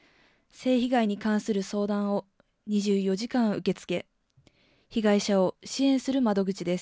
性被害に関する相談を２４時間受け付け、被害者を支援する窓口です。